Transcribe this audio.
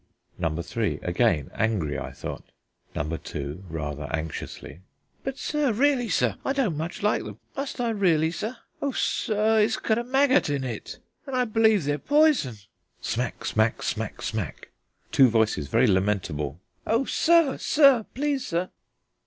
Number three again angry, I thought. Number two (rather anxiously): "But, sir, really, sir, I don't much like them.... Must I really, sir?... O sir, it's got a maggot in it, and I believe they're poison." (Smack, smack, smack, smack.) Two voices, very lamentable: "O sir, sir, please sir!"